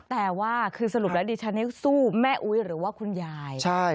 แต่ว่าคือสรุปแล้วดิฉันสู้แม่อุ๊ยหรือว่าคุณยาย